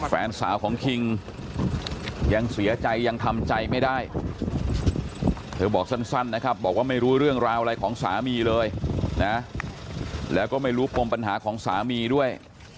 แฟนสาวของคิงยังเสียใจยังทำใจไม่ได้เธอบอกสั้นนะครับบอกว่าไม่รู้เรื่องราวอะไรของสามีเลยนะแล้วก็ไม่รู้ปมปัญหาของสามีด้วย